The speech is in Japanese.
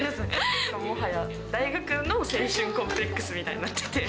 大学の青春コンプレックスみたいになっちゃってて。